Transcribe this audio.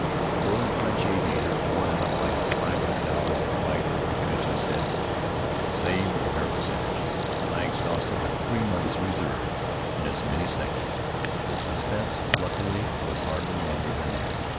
The old French aviator, worn out by his five hundred hours of flight over the trenches, said, "Save your nervous energy." I exhausted a three months reserve in as many seconds. The suspense, luckily, was hardly longer than that.